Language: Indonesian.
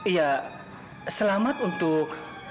iya selamat untuk